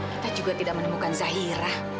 kita juga tidak menemukan zahira